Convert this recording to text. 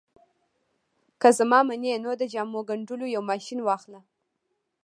که زما منې نو د جامو ګنډلو یو ماشين واخله